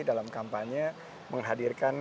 dalam kampanye menghadirkan